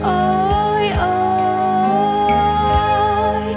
โอ๊ยโอ่ย